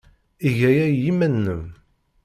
Eg aya i yiman-nnem.